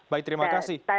baik terima kasih